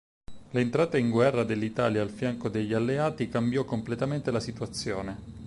L'entrata in guerra dell'Italia al fianco degli alleati cambiò completamente la situazione.